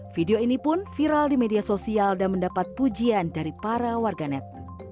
video ini pun viral di media sosial dan mendapat pujian dari para warganet